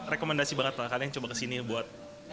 rekomendasi banget lah kalian coba kesini buat